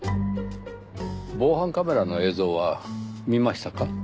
防犯カメラの映像は見ましたか？